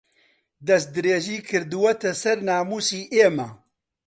دەستدرێژی کردووەتە سەر ناموسی ئێمە